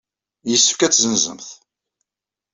Yessefk ad t-tessenzemt.